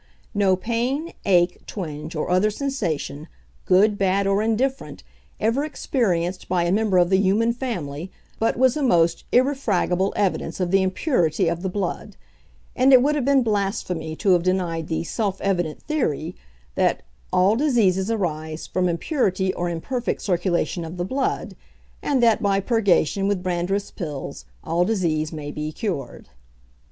No pain, ache, twinge, or other sensation, good, bad, or indifferent, ever experienced by a member of the human family, but was a most irrefragable evidence of the impurity of the blood; and it would have been blasphemy to have denied the "self evident" theory, that "all diseases arise from impurity or imperfect circulation of the blood, and that by purgation with Brandreth's Pills all disease may be cured."